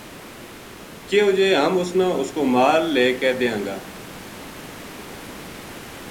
کہیو جے ہم اس نا اس کو مال لے کے دیاں گا